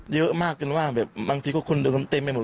เยอะมากเป็นว่าแบบบางทีคนเต็มไปหมด